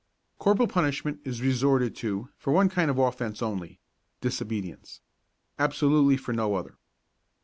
Corporal punishment is resorted to for one kind of offence only disobedience. Absolutely for no other.